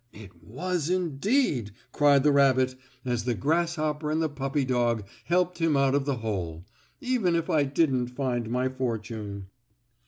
"It was, indeed!" cried the rabbit, as the grasshopper and the puppy dog helped him out of the hole; "even if I didn't find my fortune."